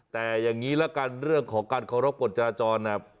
แต่อย่างนี้ละกันเรื่องของการเคารพกฎจราจร